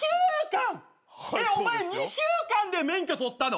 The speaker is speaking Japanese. お前２週間で免許取ったの？